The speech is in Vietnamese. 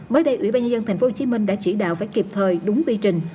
mới đây ủy ban nhân dân tp hcm đã chỉ đạo phải kịp thời đúng quy trình